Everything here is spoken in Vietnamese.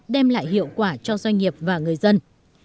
đem lại hiệu quả cho doanh nghiệp và người dân